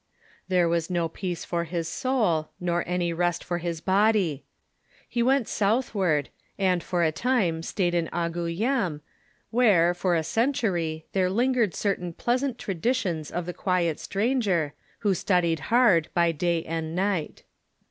There was no peace for his soul, nor any rest for his body. He went southward, and for a time stayed in Angouleme, where, for a century, there lingered certain pleasant traditions of the quiet stranger, who studied hard by day and night.